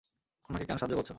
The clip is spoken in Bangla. আমাকে কেন সাহায্য করছো?